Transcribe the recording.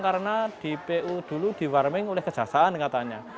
karena di pu dulu diwarming oleh kejasaan katanya